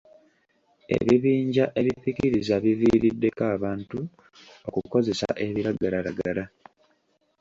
Ebibinja ebipikiriza biviiriddeko abantu okukozesa ebiragalalagala.